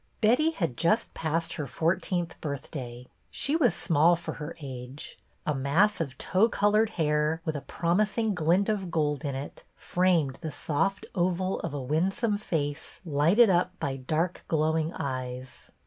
Betty had just passed her fourteenth birth day. She was small for her age. A mass of tow colored hair, with a promising glint of gold in it, framed the soft oval of a win some face lighted up by dark, glowing eyes.